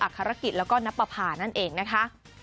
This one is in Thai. อัคคารกิจแล้วก็นัปภานั่นเองนะคะ